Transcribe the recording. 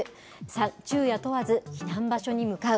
３、昼夜問わず避難場所に向かう。